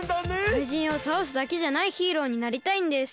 かいじんをたおすだけじゃないヒーローになりたいんです。